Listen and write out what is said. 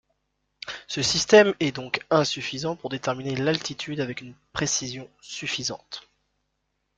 Ce système est donc insuffisant pour déterminer l'altitude avec une précision suffisante.